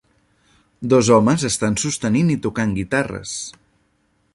Dos homes estan sostenint i tocant guitarres.